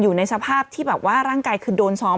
อยู่ในสภาพที่แบบว่าร่างกายคือโดนซ้อม